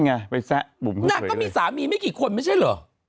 นั่นก็มีสามีไม่กี่คนมั้ยใช่หรอ